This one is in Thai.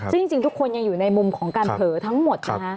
ซึ่งจริงทุกคนยังอยู่ในมุมของการเผลอทั้งหมดนะคะ